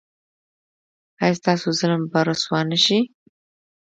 ایا ستاسو ظالم به رسوا نه شي؟